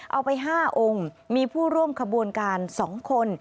เอาไป๕องค์มีผู้ร่วมขบวนการ๒คน